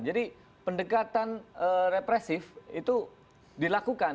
jadi pendekatan represif itu dilakukan